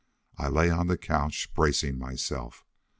I lay on the couch, bracing myself.